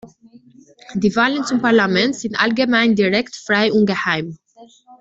Die Wahlen zum Parlament sind allgemein, direkt, frei und geheim.